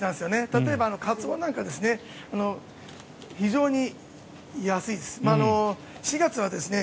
例えばカツオなんか非常に安いです。